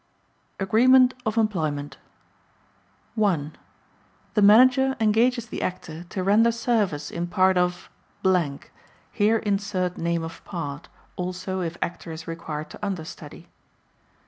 Agreement of Employment 1. The Manager engages the Actor to render service in part of (Here insert name of part; also if Actor is required to understudy.)